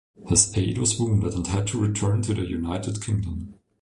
His aide was wounded and had to return to the United Kingdom.